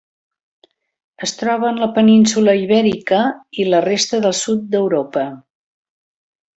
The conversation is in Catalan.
Es troba en la península Ibèrica i la resta del sud d'Europa.